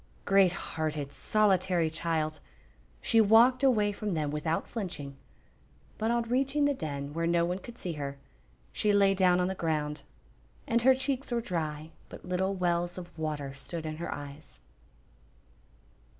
Great hearted, solitary child! She walked away from them without flinching, but on reaching the Den, where no one could see her she lay down on the ground, and her cheeks were dry, but little wells of water stood in her eyes.